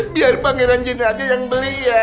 biar pangeran jin aja yang beli ya